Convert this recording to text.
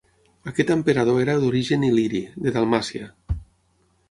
Aquest emperador era d'origen il·liri, de Dalmàcia.